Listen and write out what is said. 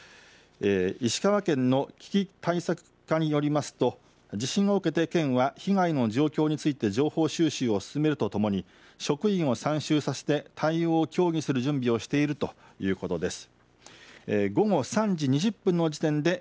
石川県の危機対策課によりますと地震を受けて県は被害の状況について情報収集を進めるとともに職員を参集させて対応を協議する準備をしているということです。